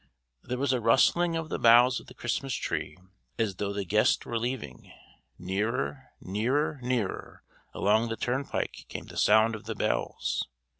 There was a rustling of the boughs of the Christmas Tree as though the guest were leaving. Nearer, nearer, nearer, along the turnpike came the sound of the bells.